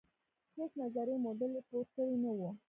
هیڅ نظري موډل یې پور کړې نه وه.